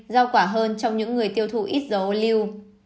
do quả hơn trong những người tiêu thụ ít dầu ô lưu